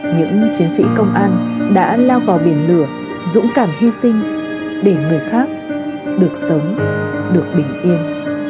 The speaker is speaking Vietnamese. những chiến sĩ công an đã lao vào biển lửa dũng cảm hy sinh để người khác được sống được bình yên